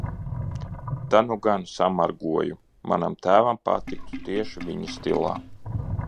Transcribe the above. Tad nu gan samargoju! Manam tēvam patiktu. Tieši viņa stilā...